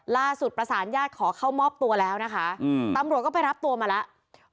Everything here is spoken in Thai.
ล่าสุดประสานญาติขอเข้ามอบตัวแล้วนะคะตำรวจก็ไปรับตัวมาแล้ว